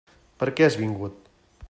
Per què has vingut?